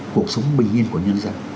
cuộc sống bình yên của nhân dân